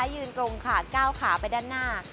ยืนตรงขาดก้าวขาไปด้านหน้า